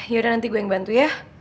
ya udah nanti gue yang bantu ya